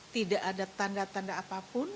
tidak ada tanda tanda apapun